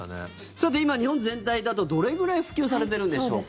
さて、今、日本全体だとどれぐらい普及されてるんでしょうか。